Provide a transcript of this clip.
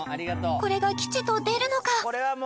これが吉と出るのか？